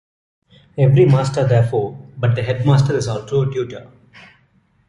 Every master therefore but the headmaster is also a tutor.